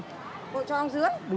cô cho ông dưới